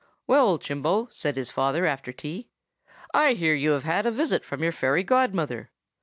"'Well, Chimbo,' said his father after tea, 'I hear you have had a visit from your fairy godmother.